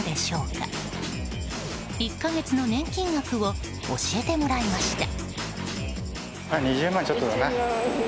１か月の年金額を教えてもらいました。